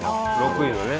６位のね。